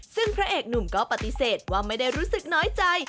ซึ่งพระเอกหนุ่มก็ปฏิเสธว่าไม่ได้รู้สึกน้อยใจ